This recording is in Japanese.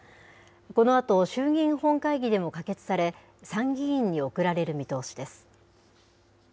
このあと、衆議院本会議でも可決され、参議院に送られる見通しです。